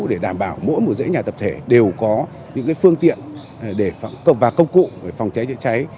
để đảm bảo mỗi một dãy nhà tập thể đều có những phương tiện và công cụ phòng cháy chữa cháy